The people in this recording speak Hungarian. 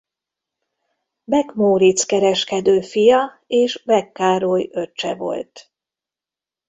Beck Móric kereskedő fia és Beck Károly öccse volt.